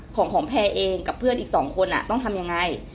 ของของแพรเองกับเพื่อนอีก๒คนต้องทำยังไง